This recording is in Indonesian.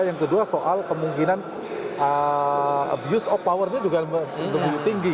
yang kedua soal kemungkinan abuse of powernya juga lebih tinggi